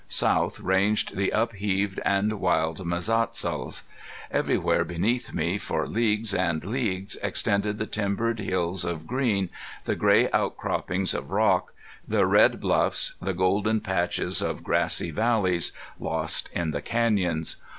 South ranged the upheaved and wild Mazatzals. Everywhere beneath me, for leagues and leagues extended the timbered hills of green, the gray outcroppings of rocks, the red bluffs, the golden patches of grassy valleys, lost in the canyons.